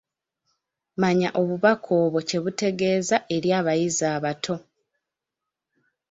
Manya obubaka obwo kye butegeeza eri abayizi abato.